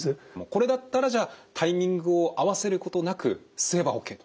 これだったらじゃあタイミングを合わせることなく吸えばＯＫと。